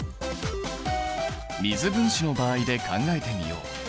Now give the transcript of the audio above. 水分子の場合で考えてみよう。